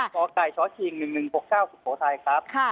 กไก่ชชิง๑๑๖๙สุโขทัยครับ